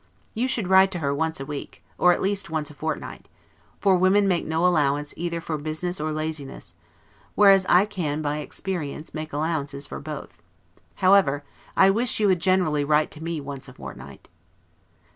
You should write to her once a week, or at least once a fortnight; for women make no allowance either for business or laziness; whereas I can, by experience, make allowances for both: however, I wish you would generally write to me once a fortnight.